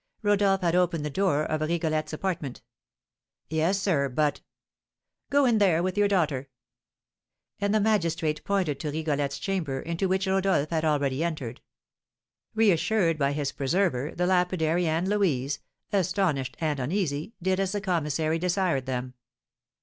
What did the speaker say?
Rodolph had opened the door of Rigolette's apartment. "Yes, sir; but " "Go in there with your daughter." And the magistrate pointed to Rigolette's chamber, into which Rodolph had already entered. Reassured by his preserver, the lapidary and Louise, astonished and uneasy, did as the commissary desired them.